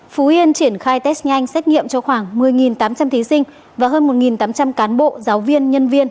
phú yên triển khai test nhanh xét nghiệm cho khoảng một mươi tám trăm linh thí sinh và hơn một tám trăm linh cán bộ giáo viên nhân viên